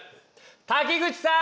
滝口さん！